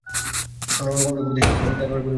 রঘুপতি চীৎকার করিয়া বলিয়া উঠিলেন, মিথ্যা কথা!